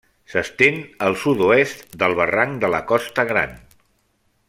S'estén al sud-oest del barranc de la Costa Gran.